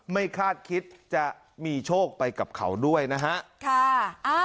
คาดคิดจะมีโชคไปกับเขาด้วยนะฮะ